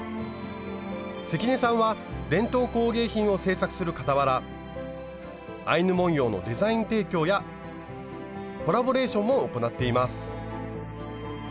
関根さんは伝統工芸品を製作するかたわらアイヌ文様のデザイン提供やコラボレーションも行っています。